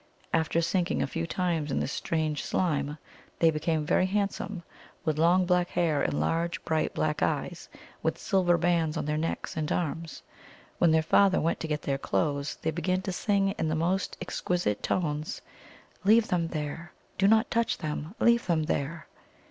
After sinking a few times in this strange slime they became very handsome, with long black hair and large, bright black eyes, with silver bands on their neck and arms. When their father went to get their clothes, they began to sing in the most exquisite tones :" Leave them there ! Do not touch them ! Leave them there